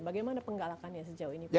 bagaimana penggalakannya sejauh ini pak